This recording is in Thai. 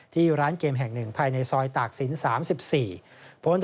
ที่ร้านเกมแห่งหนึ่งภายในซอยตากศิลป์๓๔